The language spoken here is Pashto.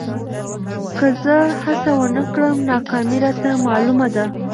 که زه هڅه ونه کړم، ناکامي راته معلومه ده.